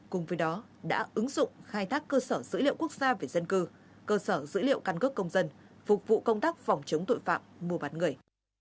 cùng với đó đã ứng dụng khai thác cơ sở dữ liệu quốc gia về dân cư cơ sở dữ liệu căn cước công dân phục vụ công tác phòng chống tội phạm mua bán người